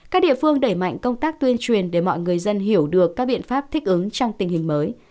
các địa phương đẩy mạnh công tác tuyên truyền để mọi người dân hiểu được các biện pháp thích ứng trong tình hình mới